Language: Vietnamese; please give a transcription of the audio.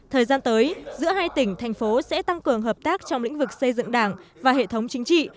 thời gian tới giữa hai tỉnh thành phố sẽ tăng cường hợp tác trong lĩnh vực xây dựng đảng và hệ thống chính trị